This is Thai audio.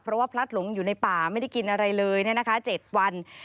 เพราะว่าพลัดหลงอยู่ในป่าไม่ได้กินอะไรเลย๗วัน